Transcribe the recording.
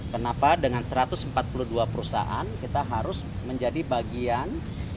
kenapa dengan satu ratus empat puluh dua perusahaan kita harus menjadi bagian